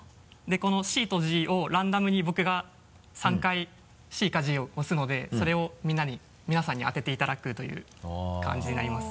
この「Ｃ」と「Ｇ」をランダムに僕が３回「Ｃ」か「Ｇ」を押すのでそれを皆さんに当てていただくという感じになります。